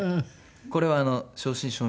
これは正真正銘の。